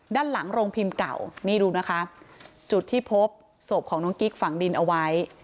ด้านหลังโรงพิมพ์เก่านี่ดูนะคะจุดที่พบศพของน้องกิ๊กฝังดินเอาไว้